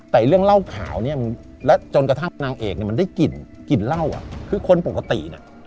แต่เรื่องเหล้าขาวเนี่ยและจนกระทั่งนางเอกเนี่ยมันได้กลิ่นกลิ่นเหล้าอ่ะคือคนปกติน่ะ